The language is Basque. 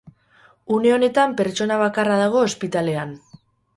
Une honetan pertsona bakarra dago ospitalean.